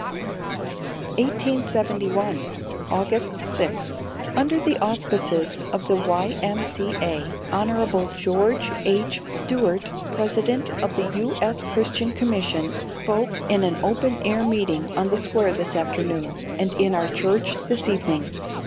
1871 August 6. Under the auspices of the Y.M.C.A., Hon. George H. Stuart, President of the U. S. Christian Commission, spoke in an open air meeting on the square this afternoon and in our church this evening.